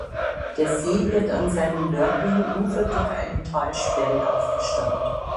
Der See wird an seinem nördlichen Ufer durch eine Talsperre aufgestaut.